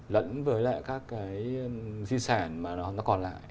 lẫn với lại các cái di sản mà nó còn lại